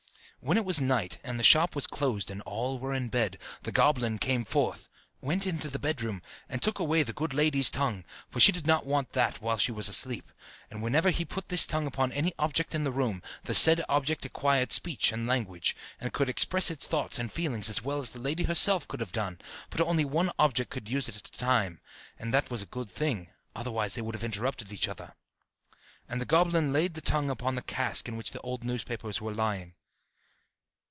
When it was night, and the shop was closed and all were in bed, the goblin came forth, went into the bedroom, and took away the good lady's tongue; for she did not want that while she was asleep; and whenever he put this tongue upon any object in the room, the said object acquired speech and language, and could express its thoughts and feelings as well as the lady herself could have done; but only one object could use it at a time, and that was a good thing, otherwise they would have interrupted each other. And the goblin laid the tongue upon the cask in which the old newspapers were lying.